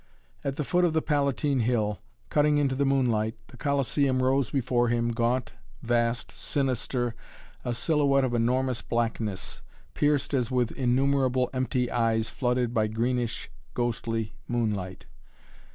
At the foot of the Palatine Hill, cutting into the moonlight, the Colosseum rose before him, gaunt, vast, sinister, a silhouette of enormous blackness, pierced as with innumerable empty eyes flooded by greenish, ghostly moonlight.